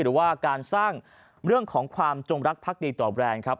หรือว่าการสร้างเรื่องของความจงรักพักดีต่อแบรนด์ครับ